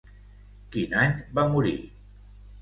Quin any va morir?